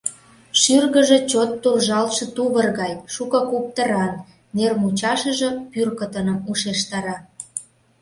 Шӱргыжӧ чот туржалтше тувыр гай, шуко куптыран, нер мучашыже пӱркытыным ушештара.